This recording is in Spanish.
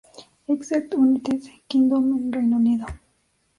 Exeter United Kingdom-Reino Unido.